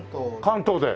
関東で。